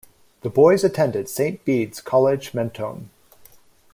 The boys attended Saint Bede's College Mentone.